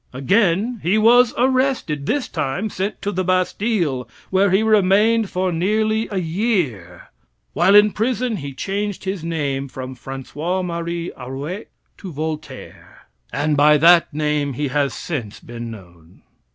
Again he was arrested; this time sent to the Bastille, where he remained for nearly a year. While in prison he changed his name from Francois Marie Arouet to Voltaire, and by that name he has since been known.